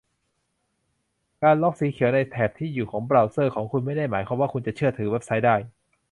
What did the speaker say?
การล็อกสีเขียวในแถบที่อยู่ของเบราว์เซอร์ของคุณไม่ได้หมายความว่าคุณจะเชื่อถือเว็บไซต์ได้